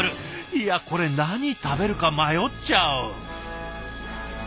いやこれ何食べるか迷っちゃう。